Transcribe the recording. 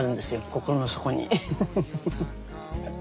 心の底に。